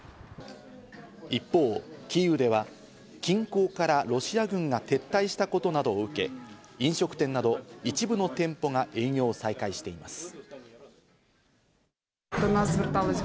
一方、キーウでは近郊からロシア軍が撤退したことなどを受け、飲食店など一部の店舗が営業を再開しています。